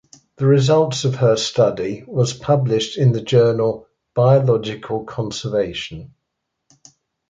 The results of her study was published in the journal "Biological Conservation".